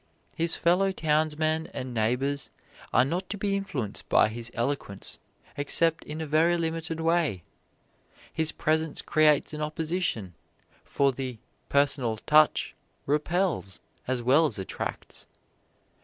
His fellow townsmen and neighbors are not to be influenced by his eloquence except in a very limited way. His presence creates an opposition, for the "personal touch" repels as well as attracts.